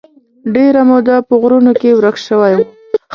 ډېره موده په غرونو کې ورک شوی و.